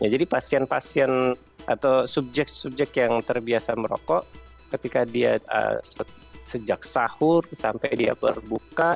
jadi pasien pasien atau subjek subjek yang terbiasa merokok ketika dia sejak sahur sampai dia berbuka